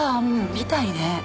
みたいね。